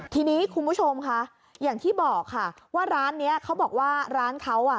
ทีนี้คุณผู้ชมค่ะอย่างที่บอกค่ะว่าร้านเนี้ยเขาบอกว่าร้านเขาอ่ะ